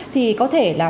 thì có thể là